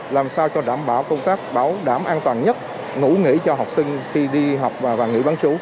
làm sao cho đảm bảo công tác bảo đảm an toàn nhất ngủ nghỉ cho học sinh khi đi học và nghỉ bán chú